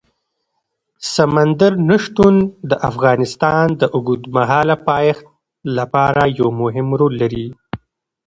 سمندر نه شتون د افغانستان د اوږدمهاله پایښت لپاره یو مهم رول لري.